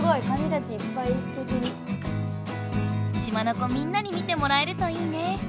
みんなに見てもらえるといいね。